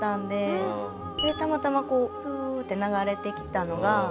でたまたまこうプーッて流れてきたのが。